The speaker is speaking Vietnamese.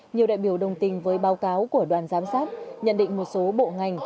nhiều đại biểu đồng tình với báo cáo của đoàn giám sát nhận định một số bộ ngành